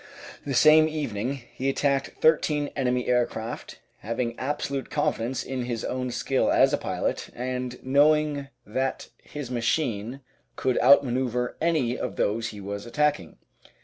the same evening he attacked thirteen enemy aircraft, having absolute con fidence in his own skill as a pilot and knowing that his machine could out manoeuvre any of those he was attacking.